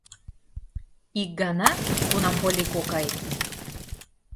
Ик гана, кунам Полли кокай...